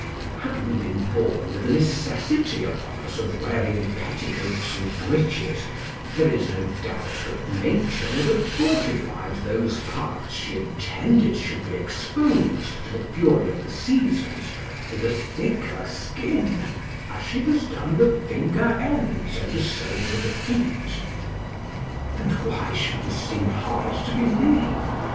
Had we been born with a necessity upon us of wearing petticoats and breeches, there is no doubt but nature would have fortified those parts she intended should be exposed to the fury of the seasons with a thicker skin, as she has done the finger ends and the soles of the feet. And why should this seem hard to believe?